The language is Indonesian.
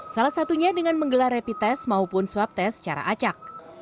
salah satunya dengan menggelar rapid test maupun swab test secara acak